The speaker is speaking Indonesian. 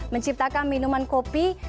menciptakan minuman kopi